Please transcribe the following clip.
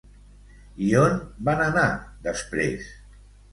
I on van anar després?